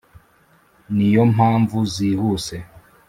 Ni yo mpamvu zihuse